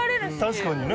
確かにね。